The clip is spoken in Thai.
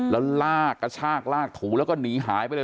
แล้วลากกระชากลากถูแล้วก็หนีหายไปเลย